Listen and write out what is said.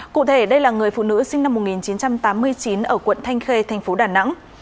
cụ thể đây là người phụ nữ sinh năm một nghìn chín trăm tám mươi chín ở quận thanh khê thành phố đà nẵng